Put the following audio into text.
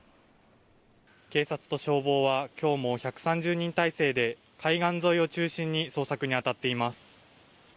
警察と消防はきょうも１３０人態勢で海岸沿いを中心に捜索にあたっています